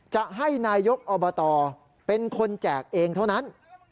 จะให้นายกอบตเป็นคนแจกเองเท่านั้น